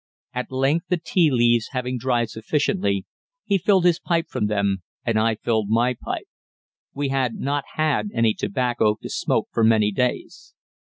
At length, the tea leaves having dried sufficiently, he filled his pipe from them, and I filled my pipe. We had not had any tobacco to smoke for many days.